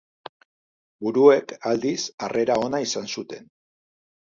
Buruek, aldiz, harrera ona izan zuten.